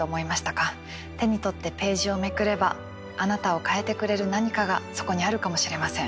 手に取ってページをめくればあなたを変えてくれる何かがそこにあるかもしれません。